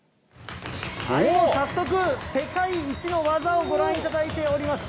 今、早速世界一の技をご覧いただいております。